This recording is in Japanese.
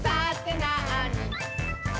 なに？」